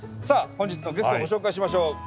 さあ本日のゲストをご紹介しましょう。